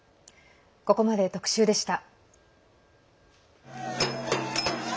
ここまで特集でした。